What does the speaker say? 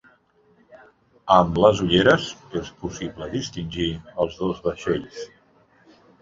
Amb les ulleres és possible distingir els dos vaixells.